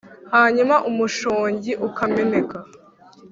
Hanyuma umushongi ukameneka